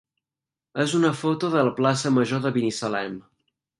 és una foto de la plaça major de Binissalem.